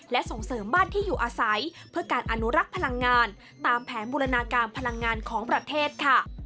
และส่งเสริมบ้านที่อยู่อาศัยเพื่อการอนุรักษ์พลังงานตามแผนบูรณาการพลังงานของประเทศค่ะ